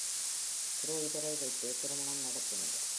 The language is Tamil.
புரோகிதரை வைத்தே திருமணம் நடத்தினர்.